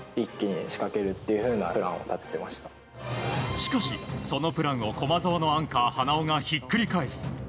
しかしそのプランを駒澤のアンカー花尾がひっくり返す。